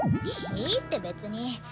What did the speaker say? いいって別に。